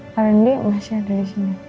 pak rendy masih ada disini